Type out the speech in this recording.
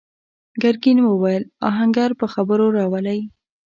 ګرګين وويل: آهنګر په خبرو راولئ!